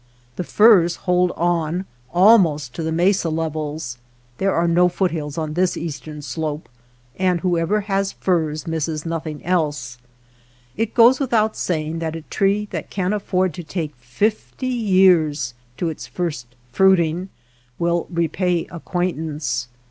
The firs hold on al most to the mesa levels, — there are no foothills on this eastern slope, — and who ever has firs misses nothing else. It goes without saying that a tree that can afford to take fifty years to its first fruiting will repay acquaintance.